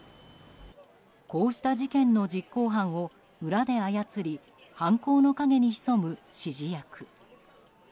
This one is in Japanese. こうした事件の実行犯を裏で操り犯行の陰に潜む指示役。